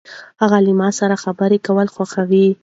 هغه له ما سره خبرې کول خوښوي.